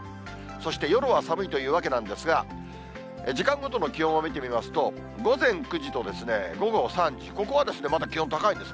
そして夜は寒いというわけなんですが、時間ごとの気温を見てみますと、午前９時と午後３時、ここはまだ気温高いです。